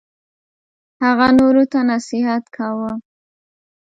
هغه نورو ته نصیحت کاوه.